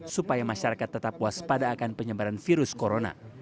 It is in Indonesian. supaya masyarakat tetap puas pada akan penyebaran virus corona